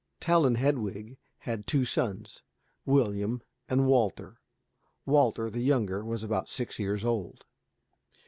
Tell and Hedwig had two sons, William and Walter. Walter, the younger, was about six years old.